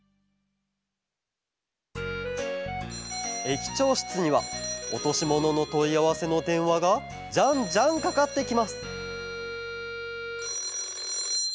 駅長しつにはおとしもののといあわせのでんわがじゃんじゃんかかってきます